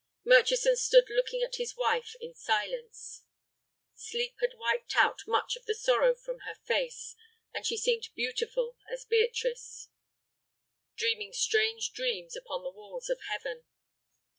Murchison stood looking at his wife in silence. Sleep had wiped out much of the sorrow from her face, and she seemed beautiful as Beatrice dreaming strange dreams upon the walls of heaven.